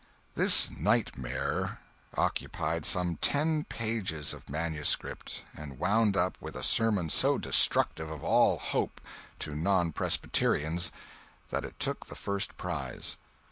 This nightmare occupied some ten pages of manuscript and wound up with a sermon so destructive of all hope to non Presbyterians that it took the first prize.